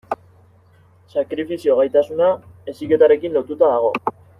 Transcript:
Sakrifizio gaitasuna heziketarekin lotuta dago.